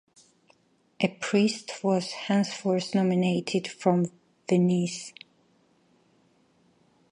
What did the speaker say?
A priest was henceforth nominated from Venice.